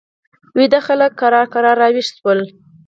ویده خلک کرار کرار را ویښ شول.